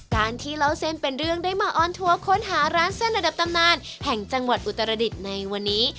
การที่เล่าเส้นเป็นเรื่องได้มาออนทัวร์ค้นหาร้านเส้นระดับตำนานแห่งจังหวัดอุตรดิษฐ์ในวันนี้